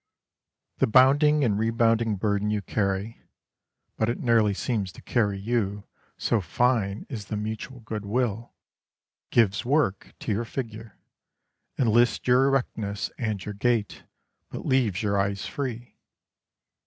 The bounding and rebounding burden you carry (but it nearly seems to carry you, so fine is the mutual good will) gives work to your figure, enlists your erectness and your gait, but leaves your eyes free.